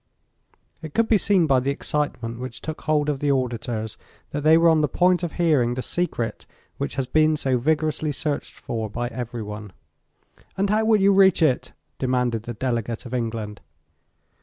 It could be seen by the excitement which took hold of the auditors, that they were on the point of hearing the secret which has been so vigorously searched for by every one. "And how will you reach it?" demanded the delegate of England.